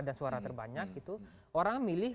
dan suara terbanyak orang milih